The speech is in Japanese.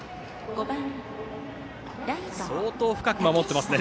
相当深く守っていますね